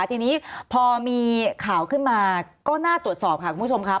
ทีนี้พอมีข่าวขึ้นมาก็น่าตรวจสอบค่ะคุณผู้ชมครับ